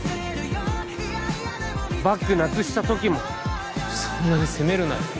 バッグなくした時もそんなに責めるなよ